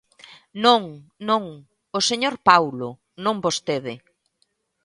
Non, non, o señor Paulo, non vostede.